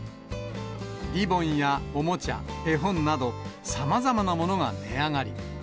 リボンやおもちゃ、絵本など、さまざまなものが値上がり。